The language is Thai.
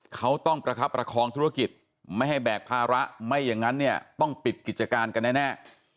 เขาต้องประคับประคองธุรกิจไม่ให้แบกภาระไม่อย่างนั้นเนี่ยต้องปิดกิจการกันแน่